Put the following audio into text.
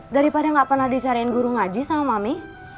daripada nggak pernah dicariin guru ngaji sama mami